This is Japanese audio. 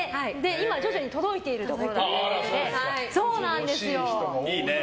今徐々に届いているところだということで。